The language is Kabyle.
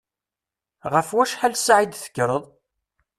Ɣef wacḥal ssaɛa i d-tekkreḍ?